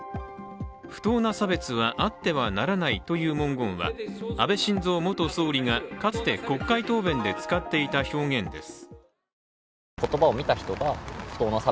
不当な差別はあってはならないという文言は安倍晋三元総理がかつて国会答弁で使っていた表現です。